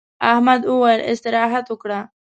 احمد وويل: استراحت وکړه.